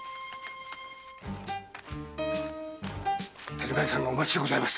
田島屋さんがお待ちでございます。